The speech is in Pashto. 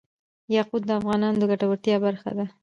یاقوت د افغانانو د ګټورتیا برخه ده.